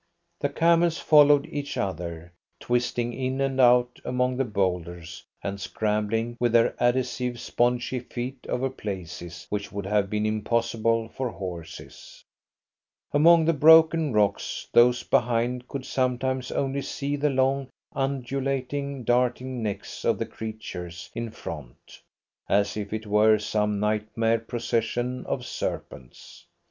The camels followed each other, twisting in and out among the boulders, and scrambling with their adhesive, spongy feet over places which would have been impossible for horses. Among the broken rocks those behind could sometimes only see the long, undulating, darting necks of the creatures in front, as if it were some nightmare procession of serpents.